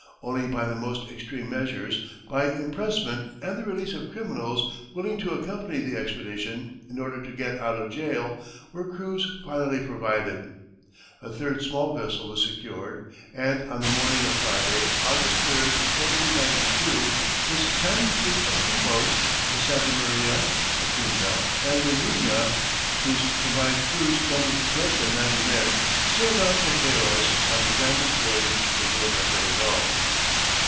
Only by the most extreme measures, by impressment and the release of criminals willing to accompany the expedition in order to get out of jail, were crews finally provided. A third small vessel was secured, and on the morning of Friday, August 3, 1492, this tiny fleet of three boats, the Santa Maria, the Pinta and the Niña, whose combined crews numbered less than ninety men, sailed out from Palos on the grandest voyage the world has ever known.